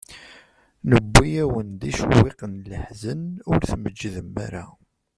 Newwi-awen-d icewwiqen n leḥzen, ur tmeǧǧdem ara.